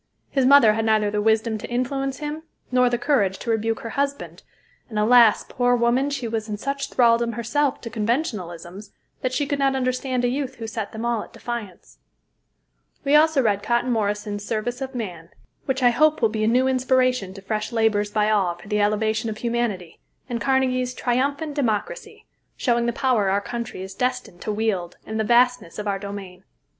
His mother had neither the wisdom to influence him, nor the courage to rebuke her husband; and alas! poor woman, she was in such thraldom herself to conventionalisms, that she could not understand a youth who set them all at defiance. [Illustration: THREE GENERATIONS.] [Illustration: MY EIGHTIETH BIRTHDAY.] We also read Cotton Morrison's "Service of Man," which I hope will be a new inspiration to fresh labors by all for the elevation of humanity, and Carnegie's "Triumphant Democracy," showing the power our country is destined to wield and the vastness of our domain.